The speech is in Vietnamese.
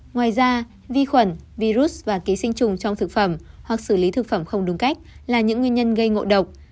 ngoài ra vi khuẩn virus và ký sinh trùng trong thực phẩm hoặc xử lý thực phẩm không đúng cách là những nguyên nhân gây ngộ độc